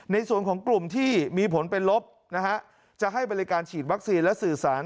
ในส่วนของกลุ่มที่มีผลเป็นลบนะฮะจะให้บริการฉีดวัคซีนและสื่อสาร